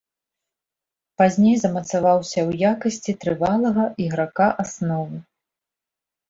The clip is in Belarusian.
Пазней замацаваўся ў якасці трывалага іграка асновы.